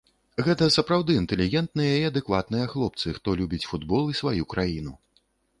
Гэта сапраўды інтэлігентныя і адэкватныя хлопцы, хто любіць футбол і сваю краіну.